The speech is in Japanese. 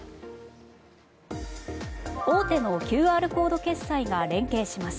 大手のＱＲコード決済が連携します。